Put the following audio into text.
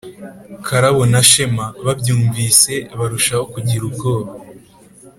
karabo na shema babyumvise barushaho kugira ubwoba